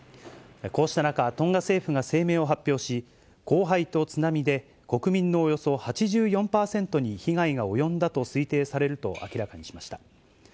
こうした中、トンガ政府が声明を発表し、降灰と津波で国民のおよそ８４％に被害が及んだと推定されると明らかにしました。